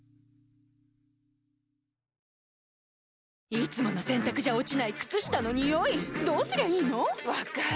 いつもの洗たくじゃ落ちない靴下のニオイどうすりゃいいの⁉分かる。